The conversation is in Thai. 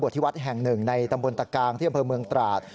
บวชที่วัดแห่ง๑ในตำบลตะกางเที่ยวเมืองตราด